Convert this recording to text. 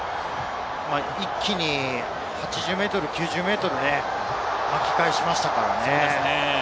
一気に８０９０ｍ、巻き返しましたからね。